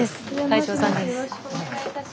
会長さんです。